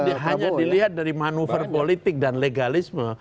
ini hanya dilihat dari manuver politik dan legalisme